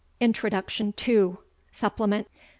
INTRODUCTION (Supplement).